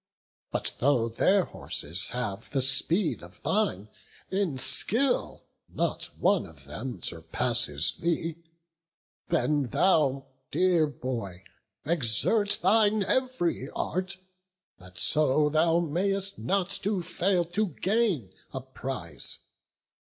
But though their horses have the speed of thine, In skill not one of them surpasses thee. Then thou, dear boy, exert thine ev'ry art, That so thou mayst not fail to gain a prize.